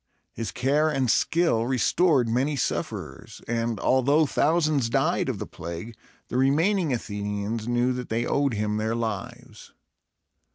His care and skill restored many sufferers; and, although thousands died of the plague, the remaining Athenians knew that they owed him their lives.